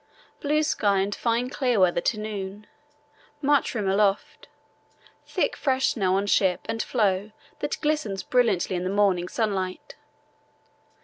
Blue sky and fine clear weather to noon. Much rime aloft. Thick fresh snow on ship and floe that glistens brilliantly in the morning sunlight.